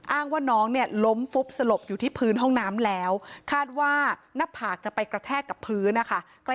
อ้างว่าน้องเนี่ยล้มฟุบสลบอยู่ที่พื้นห้องน้ำแล้วคาดว่าหน้าผากจะไปกระแทกกับพื้นนะคะ